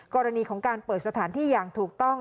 กรณีของการเปิดสถานที่อย่างถูกต้อง